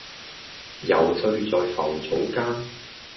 揉碎在浮藻間